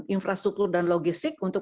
infrastruktur dan logistik untuk